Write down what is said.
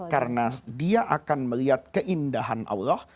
karena dia akan melihat keindahan allah